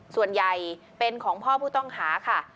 ส่วนใหญ่เป็นของพ่อผู้ต้องหาค่ะ